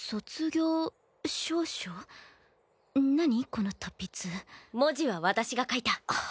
この達筆文字は私が書いたはあ？